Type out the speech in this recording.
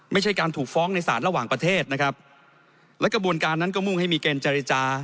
ไม่ใช่การถูกฟ้องในศาลระหว่างประเทศนะครับและกระบวนการนั้นก็มุ่งให้มีเกณฑ์เจรจา